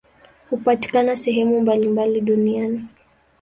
Hupatikana sehemu mbalimbali duniani.